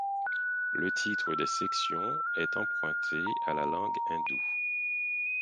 Le titre des sections est emprunté à la langue hindoue.